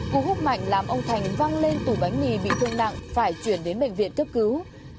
cú húc mạnh làm ông thành văng lên tủ bánh mì bị thương nặng phải chuyển đến bệnh viện cấp cứu